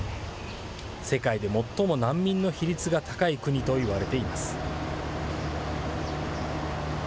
世界で最も難民の比率が高い国といわれています。